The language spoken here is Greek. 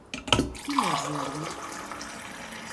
Τι λες, Γιώργο;